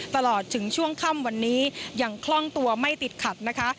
ตลอดถึงช่วงค่ำวันนี้ยังคล่องตัวไม่ติดขัดนะคะ